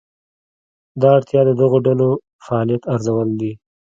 دا اړتیا د دغو ډلو فعالیت ارزول دي.